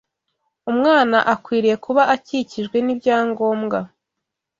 Umwana akwiriye kuba akikijwe n’ibyangombwa